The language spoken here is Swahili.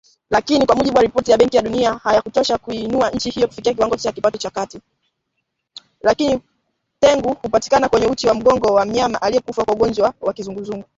Tegu hupatikana kwenye uti wa mgongo wa mnyama aliyekufa kwa ugonjwa wa kizunguzungu